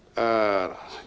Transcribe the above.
pertanahan yang diadakan